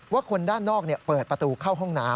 คนด้านนอกเปิดประตูเข้าห้องน้ำ